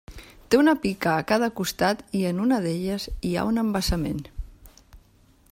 Té una pica a cada costat i, en una d'elles, hi ha un embassament.